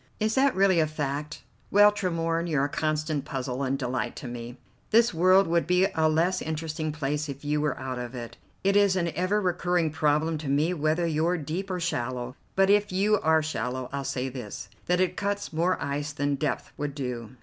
"Is that really a fact? Well, Tremorne, you're a constant puzzle and delight to me. This world would be a less interesting place if you were out of it. It is an ever recurring problem to me whether you're deep or shallow; but if you are shallow I'll say this, that it cuts more ice than depth would do.